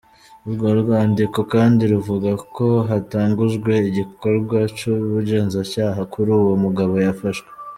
Urwo rwandiko kandi ruvuga ko hatangujwe igikorwa c'ubugenzacaha kuri uwo mugabo yafashwe.